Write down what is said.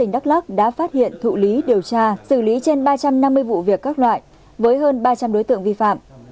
đắk lắc đã phát hiện thụ lý điều tra xử lý trên ba trăm năm mươi vụ việc các loại với hơn ba trăm linh đối tượng vi phạm